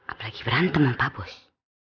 apalagi berantem ya mpa bos